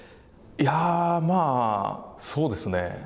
まあ、そうですね。